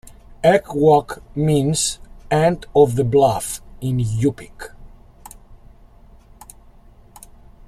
"Ekwok" means "end of the bluff" in Yupik.